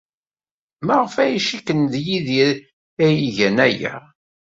Maɣef ay cikken d Yidir ay igan aya?